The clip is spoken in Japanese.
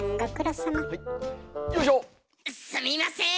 すみません